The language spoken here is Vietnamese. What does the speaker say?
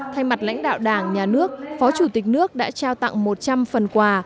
thay mặt lãnh đạo đảng nhà nước phó chủ tịch nước đã trao tặng một trăm linh phần quà